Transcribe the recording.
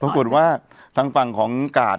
ปรากฏว่าจังหวัดที่ลงจากรถ